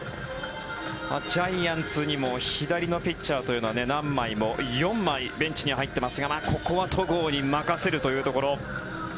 ジャイアンツにも左のピッチャーというのは何枚も４枚ベンチには入っていますがここは戸郷に任せるというところ。